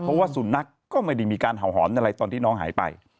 เพราะว่าสุนัขก็ไม่ได้มีการเห่าหอนอะไรตอนที่น้องหายไป